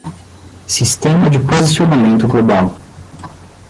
Sistema de posicionamento global